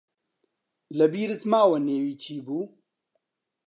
لەبیرت ماوە نێوی چی بوو؟